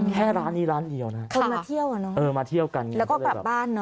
แค่ร้านนี้ร้านเดียวนะคนมาเที่ยวกันแล้วก็กลับบ้าน